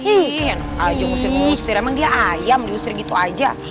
iya enak aja usir usir emang dia ayam diusir gitu aja